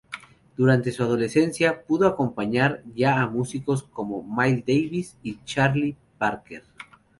Durante su adolescencia, pudo acompañar ya a músicos como Miles Davis y Charlie Parker.